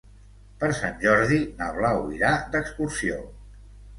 Per Sant Jordi na Blau irà d'excursió.